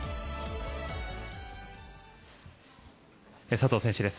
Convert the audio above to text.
佐藤選手です。